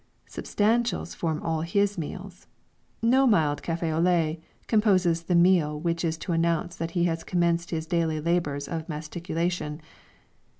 Substantials form all his meals. No mild café au lait, composes the meal which is to announce that he has commenced his daily labours of mastication.